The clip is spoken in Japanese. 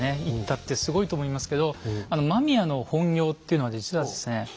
行ったってすごいと思いますけど間宮の本業っていうのは実はですね